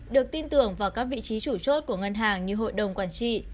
được tin tưởng vào các vị trí chủ chốt của ngân hàng như hội đồng quản trị